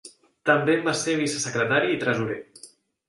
També en va ser vicesecretari i tresorer.